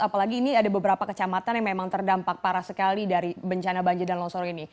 apalagi ini ada beberapa kecamatan yang memang terdampak parah sekali dari bencana banjir dan longsor ini